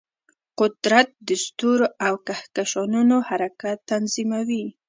قدرت د ستورو او کهکشانونو حرکت تنظیموي.